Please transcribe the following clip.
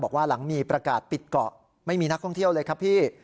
บอกว่าหลังมีประกาศปิดเกาะไม่มีนักท่องเที่ยวเลยครับพี่